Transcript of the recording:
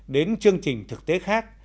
đến chương trình thực tế khác